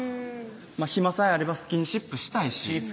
暇さえあればスキンシップしたいし気ぃ